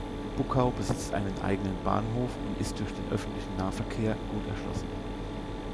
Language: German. Buckau besitzt einen eigenen Bahnhof und ist durch den öffentlichen Nahverkehr gut erschlossen.